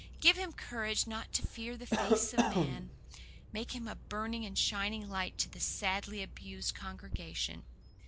Give him courage not to fear the face of man. Make him a burning and a shining light to this sadly abused congregation.